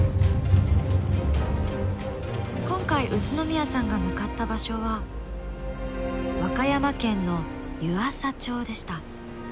今回宇都宮さんが向かった場所は和歌山県の湯浅町でした。